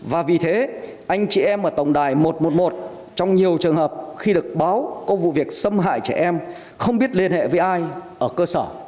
và vì thế anh chị em ở tổng đài một trăm một mươi một trong nhiều trường hợp khi được báo có vụ việc xâm hại trẻ em không biết liên hệ với ai ở cơ sở